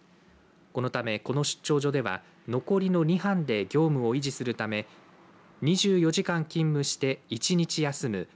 このため、この出張所では残りの２班で業務を維持するため２４時間勤務して１日休む２